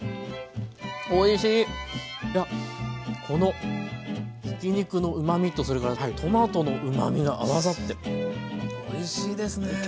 このひき肉のうまみとそれからトマトのうまみが合わさっておいしいですね。